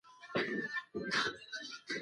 تاسې په دې اړه څه نظر لرئ؟